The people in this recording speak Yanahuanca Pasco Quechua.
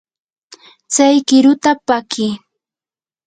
tsay qiruta pakii.